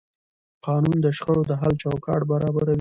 قانون د شخړو د حل چوکاټ برابروي.